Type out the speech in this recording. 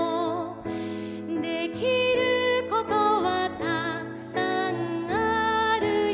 「できることはたくさんあるよ」